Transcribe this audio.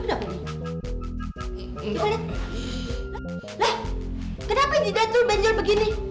lah kenapa di dacul benjol begini